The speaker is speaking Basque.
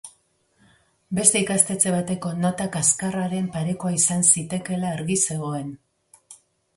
Beste ikastetxe bateko nota kaxkarraren parekoa izan zitekeela argi zegoen.